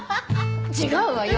違うわよ！